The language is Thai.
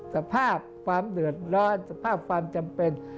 สภาพความเดือดร้อนสภาพความจำเป็น